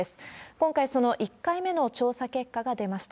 今回、その１回目の調査結果が出ました。